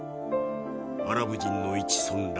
アラブ人の一村落